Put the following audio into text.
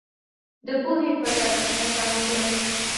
د پوهې په لار کې هڅه وکړئ.